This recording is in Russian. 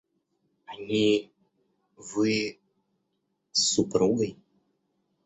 Они... Вы... с супругой.